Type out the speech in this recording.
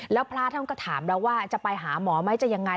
แล้วพระท่านก็ถามแล้วว่าจะไปหาหมอไหมจะยังไง